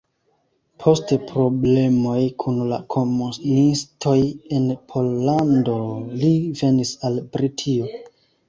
Post problemoj kun la komunistoj en Pollando li venis al Britio.